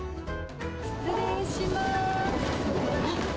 失礼します。